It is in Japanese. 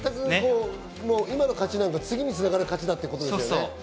今の勝ちなんか次に繋がる勝ちだってことですよね。